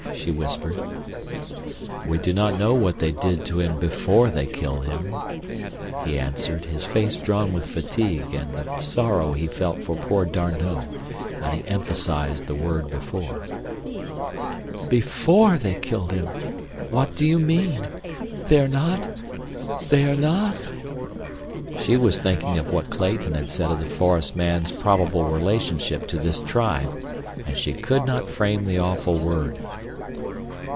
she whispered. "We do not know what they did to him before they killed him," he answered, his face drawn with fatigue and the sorrow he felt for poor D'Arnot and he emphasized the word before. "Before they killed him! What do you mean? They are not—? They are not—?" She was thinking of what Clayton had said of the forest man's probable relationship to this tribe and she could not frame the awful word.